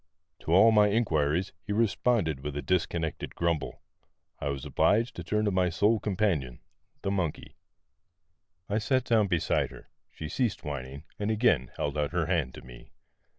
To all my inquiries he responded by a dis connected grumble. I was obliged to turn to my sole companion, the monkey. I sat down beside her ; she ceased whining, and again held out her hand to me.